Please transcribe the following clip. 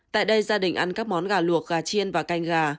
tại đây gia đình ăn các món gà luộc gà chiên và canh gà